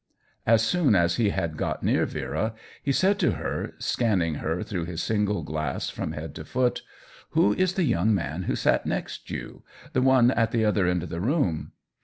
As soon as he had got near Vera he said to her, scanning her through his single glass from head to foot : "Who is the young man who sat next you ? the one at the other end of the room."